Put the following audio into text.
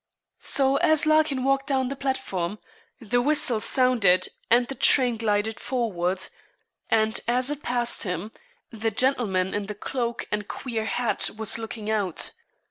So, as Larkin walked down the platform, the whistle sounded and the train glided forward, and as it passed him, the gentleman in the cloak and queer hat was looking out.